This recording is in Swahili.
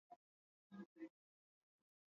Lubumbashi iko napokea wageni kila siku